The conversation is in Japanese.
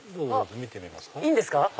見てみますか？